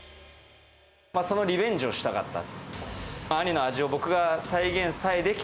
そのリベンジをしたかった。